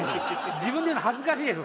自分で言うの恥ずかしいですよ。